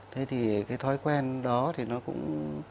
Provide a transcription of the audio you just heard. thế thì cái thói quen đó thì nó cũng